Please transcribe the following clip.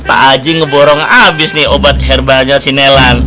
pak aji ngeborong abis nih obat herbalnya si nelan